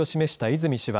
泉氏は、